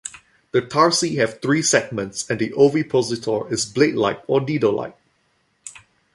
The tarsi have three segments and the ovipositor is blade-like or needle-like.